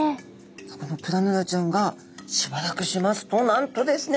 さあこのプラヌラちゃんがしばらくしますとなんとですね。